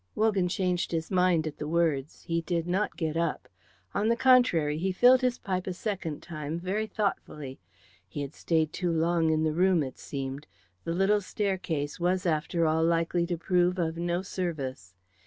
Wogan changed his mind at the words; he did not get up. On the contrary, he filled his pipe a second time very thoughtfully. He had stayed too long in the room, it seemed; the little staircase was, after all, likely to prove of no service.